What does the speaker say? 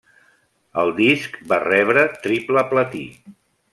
El disc va rebre triple platí.